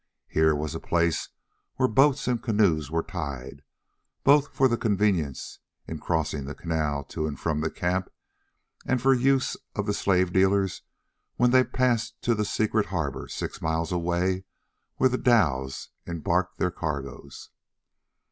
Here was a place where boats and canoes were tied, both for convenience in crossing the canal to and from the camp and for the use of the slave dealers when they passed to the secret harbour six miles away, where the dhows embarked their cargoes.